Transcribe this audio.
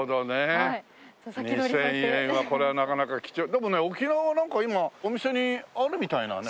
でもね沖縄はなんか今お店にあるみたいだね。